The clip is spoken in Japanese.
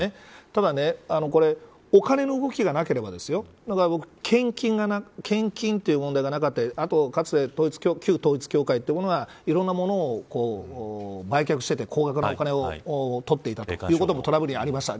ただこれ、お金の動きがなければだから僕献金という問題がなかったりあと、かつて旧統一教会というものがいろいろなものを売却していて高額なお金を取っていたということもトラブルになりました。